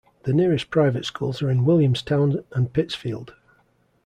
The nearest private schools are in Williamstown and Pittsfield.